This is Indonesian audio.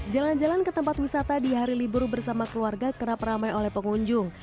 jalan jalan ke tempat wisata di hari libur bersama keluarga kerap ramai oleh pengunjung